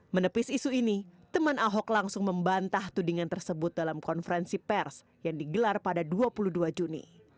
menepis isu ini teman ahok langsung membantah tudingan tersebut dalam konferensi pers yang digelar pada dua puluh dua juni